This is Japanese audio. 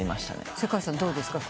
世界さんどうですか？